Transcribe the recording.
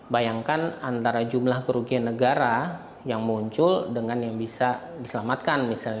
bayangkan antara jumlah kerugian negara yang muncul dengan yang bisa diselamatkan misalnya